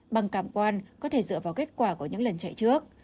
bằng cảm quan có thể dựa vào kết quả của những lần chạy trước